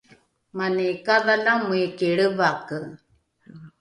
mani kadhalame iki lrevake